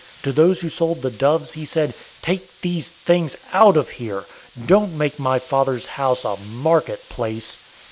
002:016 To those who sold the doves, he said, "Take these things out of here! Don't make my Father's house a marketplace!"